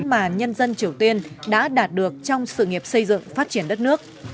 mà nhân dân triều tiên đã đạt được trong sự nghiệp xây dựng phát triển đất nước